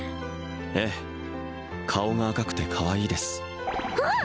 ええ顔が赤くてかわいいですんあっ！